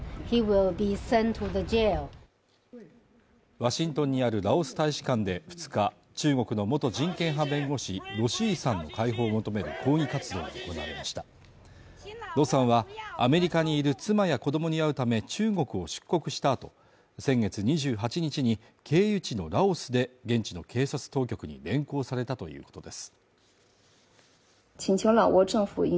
ワシントンにあるラオス大使館で２日中国の元人権派弁護士・盧思位さんの解放を求める抗議活動が行われました盧さんはアメリカにいる妻や子どもに会うため中国を出国したあと先月２８日に経由地のラオスで現地の警察当局に連行されたということです